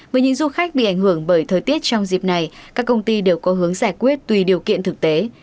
với những du khách bị ảnh hưởng bởi thời tiết trong dịp này các công ty đều có hướng giải quyết tùy điều kiện thực tế